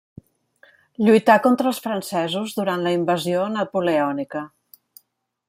Lluità contra els francesos durant la invasió napoleònica.